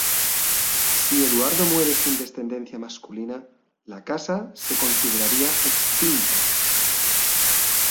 Si Eduardo muere sin descendencia masculina, la Casa se consideraría extinta.